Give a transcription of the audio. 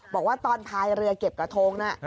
บอกว่าตอนพายเรือเก็บกระทงน่ะ